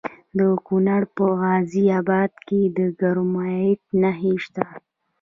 د کونړ په غازي اباد کې د کرومایټ نښې شته.